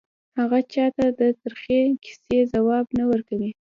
هغه چا ته د ترخې کیسې ځواب نه ورکوي